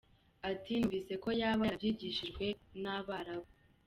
Ati: «Numvise ko yaba yarabyigishijwe n’abarabu.